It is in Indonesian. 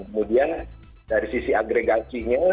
kemudian dari sisi agregasi nya